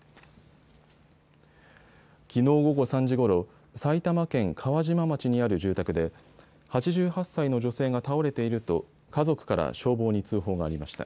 きのう午後３時ごろ、埼玉県川島町にある住宅で８８歳の女性が倒れていると家族から消防に通報がありました。